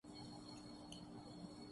آنے کی دعوت اور باطل سے لڑنے کے لیے فردی